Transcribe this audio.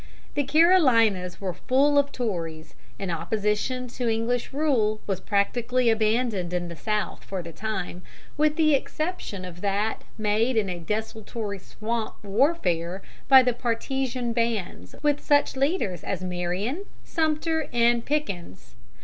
The Carolinas were full of Tories, and opposition to English rule was practically abandoned in the South for the time, with the exception of that made in a desultory swamp warfare by the partisan bands with such leaders as Marion, Sumter, and Pickens.